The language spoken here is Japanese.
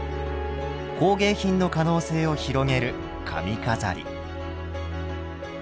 工芸品の可能性を広げる髪飾り。